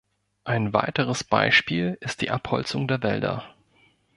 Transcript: Ein weiteres Beispiel ist die Abholzung der Wälder.